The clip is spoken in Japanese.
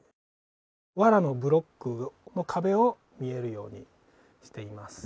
ワラのブロックの壁を見えるようにしています。